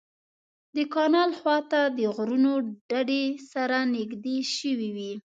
د کانال خوا ته د غرونو ډډې سره نږدې شوې وې.